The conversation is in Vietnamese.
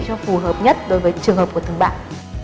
cho phù hợp nhất đối với trường hợp của từng bạn